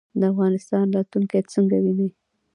د افغانستان راتلونکی څنګه وینئ؟